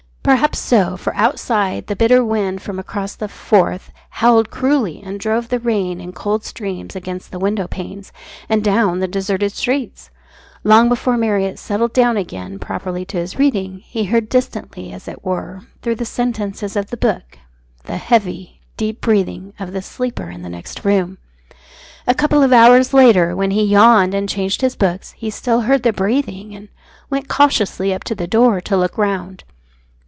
Perhaps so; for outside the bitter wind from across the Forth howled cruelly and drove the rain in cold streams against the window panes, and down the deserted streets. Long before Marriott settled down again properly to his reading, he heard distantly, as it were, through the sentences of the book, the heavy, deep breathing of the sleeper in the next room. A couple of hours later, when he yawned and changed his books, he still heard the breathing, and went cautiously up to the door to look round.